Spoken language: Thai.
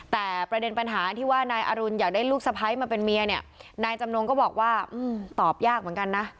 แต่ประเด็นปัญหาที่ว่านายอรุณอยากได้ลูกสะพ้ายมาเป็นเมียเนี่ยนายจำนงก็บอกว่าตอบยากเหมือนกันนะ